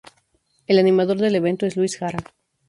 El animador del evento es Luis Jara.